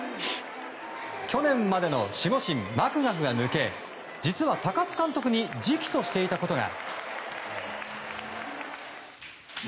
昨年までの守護神マクガフが抜け実は高津監督に直訴していたことが。